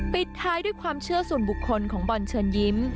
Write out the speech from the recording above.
ปิดท้ายด้วยความเชื่อส่วนบุคคลของบอลเชิญยิ้ม